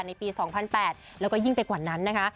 ในปี๒๐๐๘แล้วก็ยิ่งไปกว่านั้นนะคะ